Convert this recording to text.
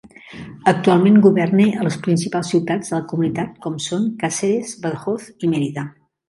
Actualment governa a les principals ciutats de la comunitat com són Càceres, Badajoz i Mèrida.